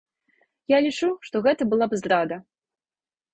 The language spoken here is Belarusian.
Я лічу, што гэта была б здрада.